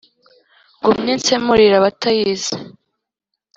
Ngumye nsemurire abatayizi